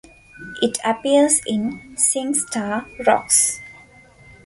It appears in SingStar Rocks!